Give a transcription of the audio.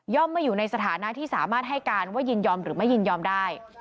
ไม่อยู่ในสถานะที่สามารถให้การว่ายินยอมหรือไม่ยินยอมได้